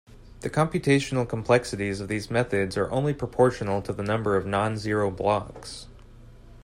The computational complexities of these methods are only proportional to the number of non-zero blocks.